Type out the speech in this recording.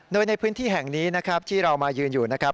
โดยในพื้นที่แห่งนี้นะครับที่เรามายืนอยู่นะครับ